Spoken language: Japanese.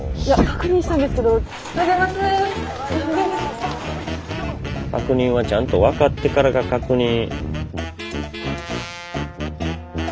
確認はちゃんと分かってからが確認。